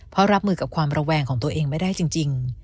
เพราะรับมือกับความระแวงของตัวเองไม่ได้จริง